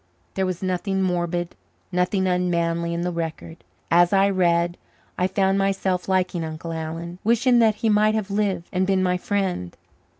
There was nothing morbid, nothing unmanly in the record. As I read, I found myself liking Uncle Alan, wishing that he might have lived and been my friend.